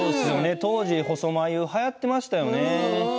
当時、細眉がはやってましたね。